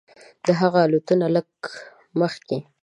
د هغه الوتکه لږ مخکې.